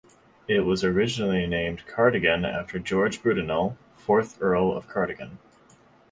It was originally named "Cardigan", after George Brudenell, fourth Earl of Cardigan.